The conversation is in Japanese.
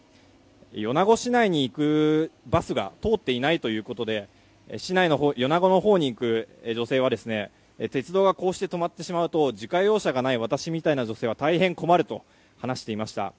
米子市内に行くバスが通っていないということで米子のほうに行く女性は鉄道がこうして止まってしまうと自家用車がない私みたいな女性は大変困ると話していました。